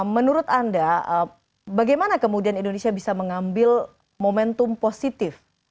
menurut anda bagaimana kemudian indonesia bisa mengambil momentum positif